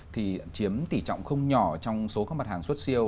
thì chiếm tỷ trọng không nhỏ trong số các mặt hàng xuất siêu